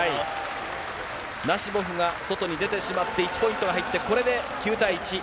ナシボフが外に出てしまって、１ポイントが入って、これで９対１。